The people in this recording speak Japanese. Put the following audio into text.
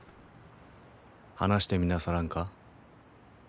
話してみなさらんか。